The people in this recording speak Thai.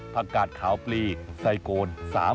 พระกาศขาวปลีไซโกน๓๘๘